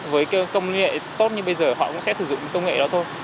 với công nghệ tốt như bây giờ họ cũng sẽ sử dụng công nghệ đó thôi